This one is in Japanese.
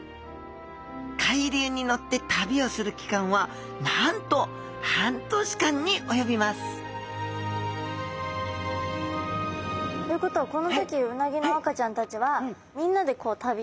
海流に乗って旅をする期間はなんと半年間に及びますということはこの時うなぎの赤ちゃんたちはみんなで旅してる感じなんですか？